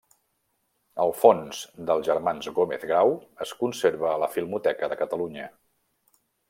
El fons dels germans Gómez Grau es conserva a la Filmoteca de Catalunya.